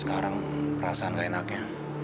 sekarang perasaan nggak enaknya